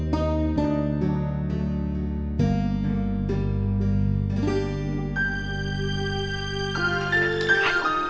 terima kasih ma